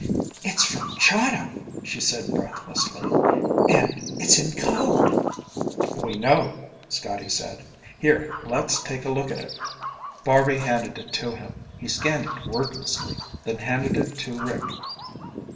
"It's from Chahda," she said breathlessly, "and it's in code!" "We know," Scotty said. "Here, let's take a look at it." Barby handed it to him. He scanned it wordlessly, then handed it to Rick.